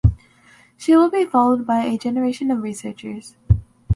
She will be followed by a generation of researchers.